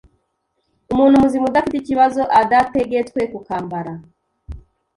umuntu muzima udafite ikibazo adategetswe kukambara.